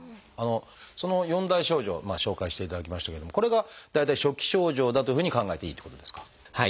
その４大症状を紹介していただきましたけどもこれが大体初期症状だというふうに考えていいっていうことですか？